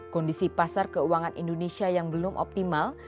kondisi pasar keuangan indonesia yang belum optimal